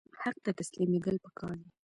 حق ته تسلیمیدل پکار دي